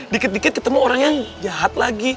dikit dikit ketemu orang yang jahat lagi